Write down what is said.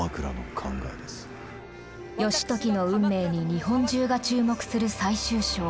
義時の運命に日本中が注目する最終章。